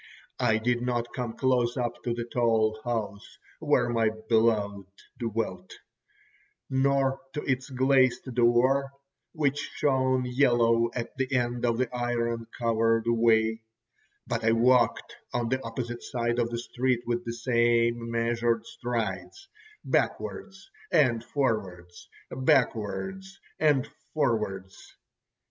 I did not come close up to the tall house, where my beloved dwelt, nor to its glazed door which shone yellow at the end of the iron covered way, but I walked on the opposite side of the street with the same measured strides—backwards and forwards, backwards and forwards.